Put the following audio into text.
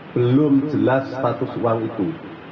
belum jelas status uang itu